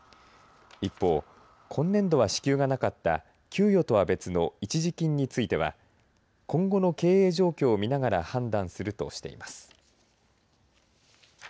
一方、今年度は支給がなかった給与とは別の一時金については今後の経営状況を見ながら判断するとしています。